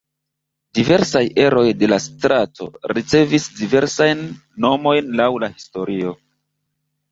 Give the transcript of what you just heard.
Diversaj eroj de la strato ricevis diversajn nomojn laŭ la historio.